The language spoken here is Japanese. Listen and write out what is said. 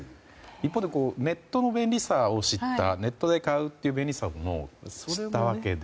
一方でネットの便利さを知ったネットで買う便利さを知ったわけで。